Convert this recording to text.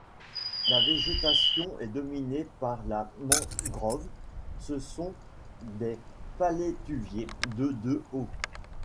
La végétation est dominée par la mangrove, Ce sont des palétuviers de de haut.